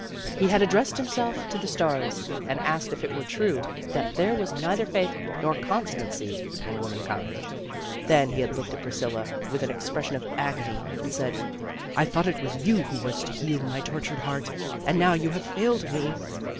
He had addressed himself to the stars and asked if it were true that there was neither faith nor constancy in womankind. Then he had looked at Priscilla, with an expression of agony, and said, "I thought it was you who was to heal my tortured heart, and now you have failed me.'